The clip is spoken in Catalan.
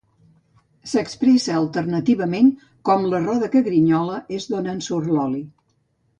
S'expressa alternativament com "La roda que grinyola és d'on en surt l'oli".